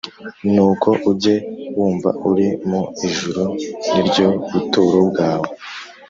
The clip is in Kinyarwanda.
nuko ujye wumva uri mu ijuru ni ryo buturo bwawe,